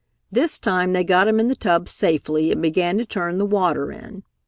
This time they got him in the tub safely and began to turn the water in.